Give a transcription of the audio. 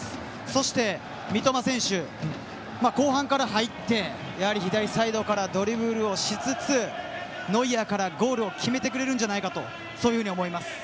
そして三笘選手は後半から入って左サイドからドリブルしつつノイアーからゴールを決めてくれるんじゃないかとそういうふうに思います。